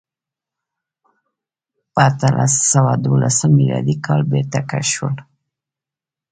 په اتلس سوه دولسم میلادي کال بېرته کشف شول.